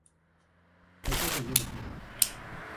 Так я заеду к нему.